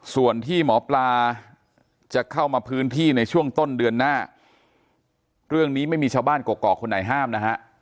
ส่วนที่หมอปลาจะเข้ามาพื้นที่ในช่วงต้นเดือนหน้าเรื่องนี้ไม่มีชาวบ้านกรกกอกคนไหนห้ามนะฮะ